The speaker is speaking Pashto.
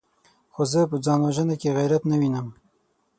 خو زه په ځان وژنه کې غيرت نه وينم!